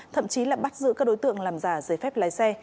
thậm chí là bắt giữ các đối tượng làm giả giấy phép lái xe